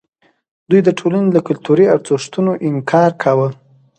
دوی د ټولنې له کلتوري ارزښتونو انکار کاوه.